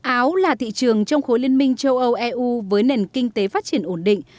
áo là thị trường trong khối liên minh châu âu eu với nền kinh tế phát triển ổn định